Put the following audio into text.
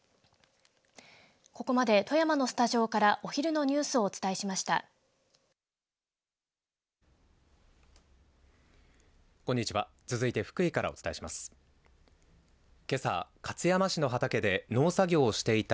ここまで富山のスタジオからお昼のニュースをお伝えしました。